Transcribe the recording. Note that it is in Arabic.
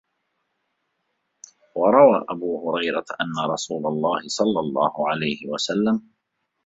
وَرَوَى أَبُو هُرَيْرَةَ أَنَّ رَسُولَ اللَّهِ صَلَّى اللَّهُ عَلَيْهِ